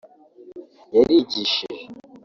yarigishije